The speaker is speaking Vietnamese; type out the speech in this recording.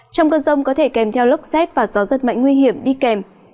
trong cơn rông có thể kèm theo lốc xét và gió rất mạnh nguy hiểm đi kèm